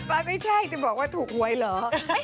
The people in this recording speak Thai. ไม่ใช่จะบอกว่าถูกไวเหรอ